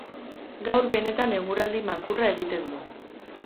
Gaur benetan eguraldi makurra egiten du.